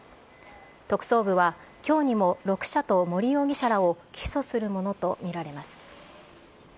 特捜部は、きょうにも６社と森容疑者らを起訴するものと見られます。